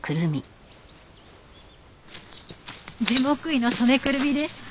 樹木医の曽根くるみです。